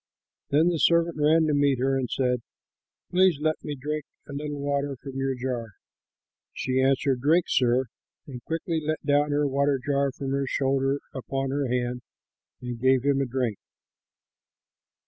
Then the servant ran to meet her and said, "Please let me drink a little water from your jar." She answered, "Drink, sir," and quickly let down her water jar from her shoulder upon her hand and gave him a drink.